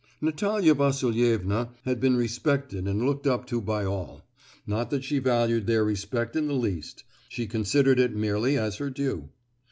Natalia Vasilievna had been respected and looked up to by all; not that she valued their respect in the least,—she considered it merely as her due.